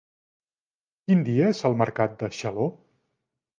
Quin dia és el mercat de Xaló?